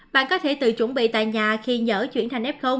bạn có thể tự chuẩn bị tại nhà khi nhỡ chuyển thành f